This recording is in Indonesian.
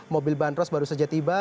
mobil bandros baru saja tiba